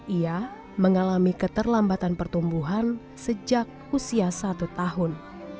ia mengalami keterlambatan pertumbuhan sejak usia satu tahun